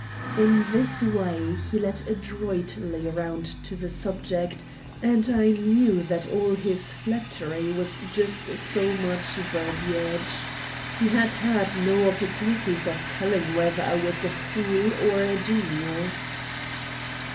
In this way he led adroitly round to the subject, and I knew that all his flattery was just so much verbiage. He had had no opportunities of telling whether I was a fool or a genius.